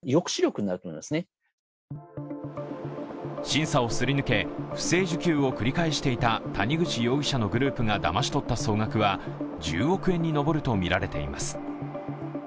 審査をすり抜け、不正受給を繰り返していた谷口容疑者のグループがだまし取った総額は１０億円に上るとみられています。